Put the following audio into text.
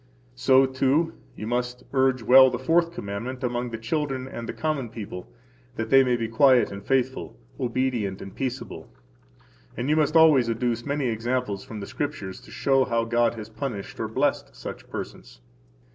So, too, you must urge well the Fourth Commandment among the children and the common people, that they may be quiet and faithful, obedient and peaceable, and you must always adduce many examples from the Scriptures to show how God has punished or blessed such persons.